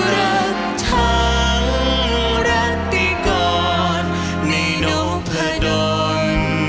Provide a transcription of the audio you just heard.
รักทางรักติกรในโนกพะดน